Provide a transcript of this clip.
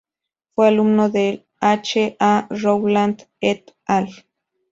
Fue alumno de H. A. Rowland, et al.